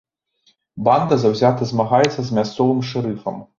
Банда заўзята змагаецца з мясцовым шэрыфам.